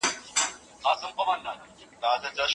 لنډۍ په غزل کي، څلورمه برخه